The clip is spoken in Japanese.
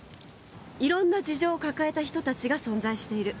いろんな事情を抱えた人たちが存在している。